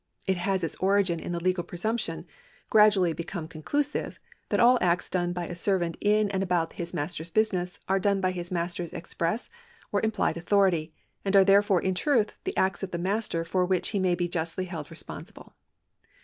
It has its origin in the li'gal presiimj)ti()n, gradually become conclusive, that all acts done by a servant in and about his master's business are done by his master's express or implied authority, and are therefore in truth the acts of the master for which he may be justly held responsible.